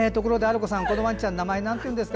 このワンちゃん名前はなんていうんですか？